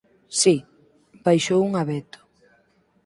Si, baixo un abeto.